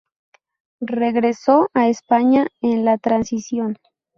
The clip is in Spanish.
Regresó a España en la transición.